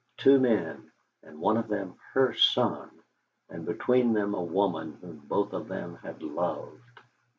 Two men, and one of them her son, and between them a woman whom both of them had loved!